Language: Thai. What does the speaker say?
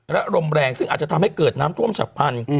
และลมแรงซึ่งอาจจะทำให้เกิดน้ำท่วมฉับพันธุ